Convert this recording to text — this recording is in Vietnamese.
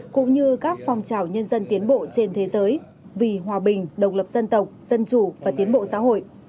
cũng như các phong trào nhân dân tiến bộ trên thế giới vì hòa bình độc lập dân tộc dân chủ và tiến bộ xã hội